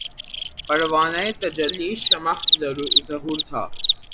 پروانۂ تجلی شمع ظہور تھا